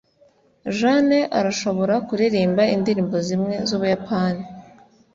jane arashobora kuririmba indirimbo zimwe z'ubuyapani